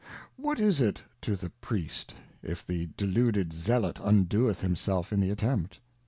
What is it to the Priest, if the deluded Zealot undoeth himself in the Attempt